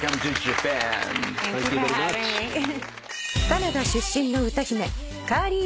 ［カナダ出身の歌姫］